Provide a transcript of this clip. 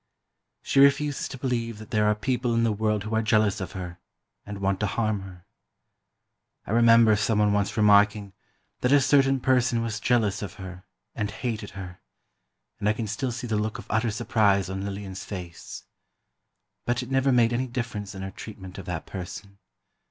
"She refuses to believe that there are people in the world who are jealous of her and want to harm her. I remember someone once remarking that a certain person was jealous of her and hated her, and I can still see the look of utter surprise on Lillian's face. But it never made any difference in her treatment of that person.